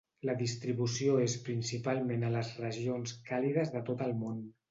La distribució és principalment a les regions càlides de tot el món.